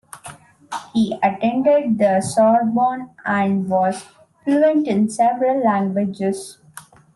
He attended the Sorbonne and was fluent in several languages.